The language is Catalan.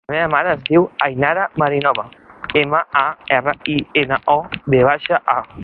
La meva mare es diu Ainara Marinova: ema, a, erra, i, ena, o, ve baixa, a.